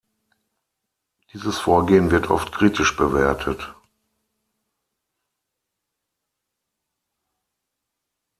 Dieses Vorgehen wird oft kritisch bewertet.